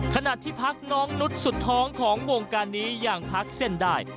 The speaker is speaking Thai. ขณะที่พักน้องนุษย์สุดท้องของวงการนี้ยังพักเส้นได้